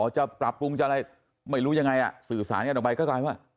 จะปรับปรุงจะอะไรไม่รู้ยังไงอ่ะสื่อสารกันออกไปก็กลายว่า